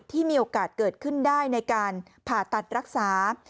ที่มีโอกาสเกิดขึ้นได้ในการผ่าตัดรักษา